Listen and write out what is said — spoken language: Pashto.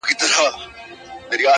او که يې اخلې نو آدم اوحوا ولي دوه وه.